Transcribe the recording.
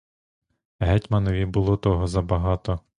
Гетьманові було того забагато.